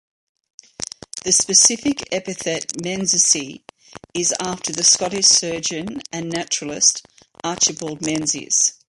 The specific epithet "menziesii" is after the Scottish surgeon and naturalist Archibald Menzies.